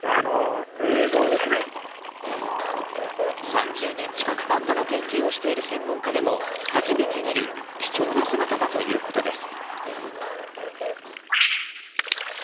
３０年近く、パンダの研究をしている専門家でも初めて見る貴重な姿だということです。